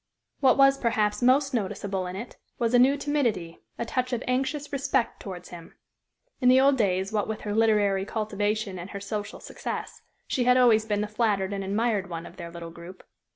What was, perhaps, most noticeable in it was a new timidity, a touch of anxious respect towards him. In the old days, what with her literary cultivation and her social success, she had always been the flattered and admired one of their little group.